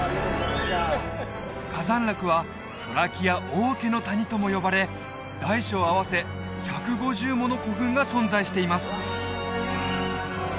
カザンラクはトラキア王家の谷とも呼ばれ大小合わせ１５０もの古墳が存在しています